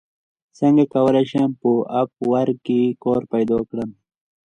څنګه کولی شم په اپ ورک کې کار پیدا کړم